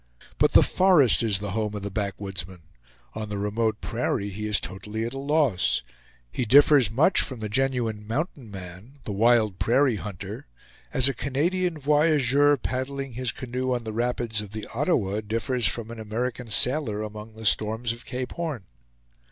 But the FOREST is the home of the backwoodsman. On the remote prairie he is totally at a loss. He differs much from the genuine "mountain man," the wild prairie hunter, as a Canadian voyageur, paddling his canoe on the rapids of the Ottawa, differs from an American sailor among the storms of Cape Horn.